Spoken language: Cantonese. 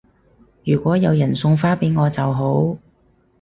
如果有人送花俾我就好